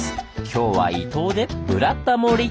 今日は伊東で「ブラタモリ」！